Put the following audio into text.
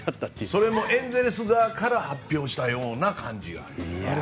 それもエンゼルス側から発表した感じがある。